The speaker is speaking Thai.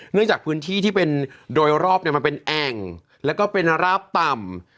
จากพื้นที่ที่เป็นโดยรอบเนี่ยมันเป็นแอ่งแล้วก็เป็นราบต่ำ